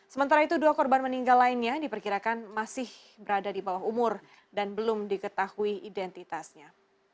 sementara itu dua korban meninggal lainnya diperkirakan masih berada di bawah umur dan belum diketahui identitasnya